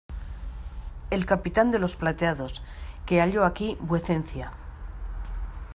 el capitán de los plateados, que halló aquí vuecencia.